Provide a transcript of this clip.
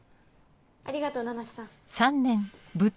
ありがとう七瀬さん。